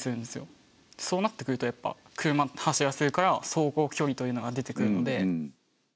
そうなってくるとやっぱ車って走らせるから走行距離というのが出てくるので。